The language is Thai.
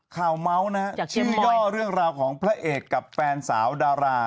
เมาส์นะฮะชื่อย่อเรื่องราวของพระเอกกับแฟนสาวดารา